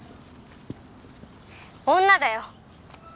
女だよ。